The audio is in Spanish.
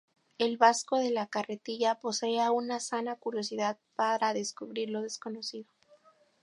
El Vasco de la carretilla poseía una sana curiosidad para descubrir lo desconocido.